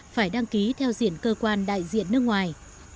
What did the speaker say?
phải đăng ký theo diện cơ quan đại diện nước ngoài